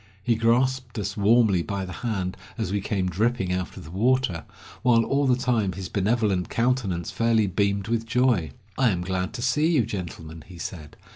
He grasped us warmly by the hand as we came dripping out of the water, while all the time his benevolent countenance fairly beamed with joy. "I am glad to see you, gentlemen," he said.